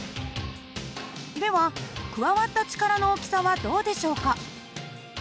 では加わった力の大きさはどうでしょうか？